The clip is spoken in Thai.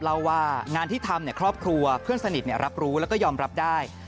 เล่าว่างานที่ทำครอบครัวเพื่อนสนิทรับรู้แล้วก็ยอมรับได้